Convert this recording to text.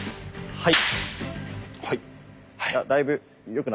はい。